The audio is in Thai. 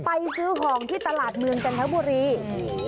ไปซื้อของที่ตลาดเมืองจังหวัดจังหวัดจังหวัดจันทบุรี